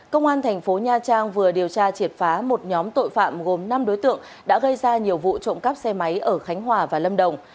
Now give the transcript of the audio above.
công an thành phố nha trang vừa điều tra triệt phá một nhóm tội phạm gồm năm đối tượng đã gây ra nhiều vụ trộm cắp xe máy ở khánh hòa và lâm đồng